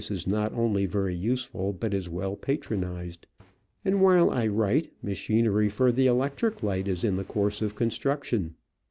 This is not only very useful, but is well patronised ; and while I write, machinery for the electric light is in course of construction.